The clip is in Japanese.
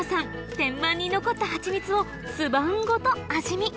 天板に残ったハチミツを巣板ごと味見！